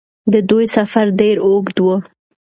د دوی سفر ډېر اوږد و.